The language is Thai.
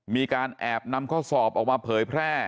มีการแอบนำข้อสอบออกมาเผยแพร่